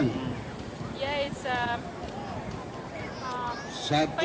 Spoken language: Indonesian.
ini adalah hari pertama di bali